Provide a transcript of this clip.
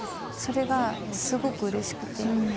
それがすごくうれしくて。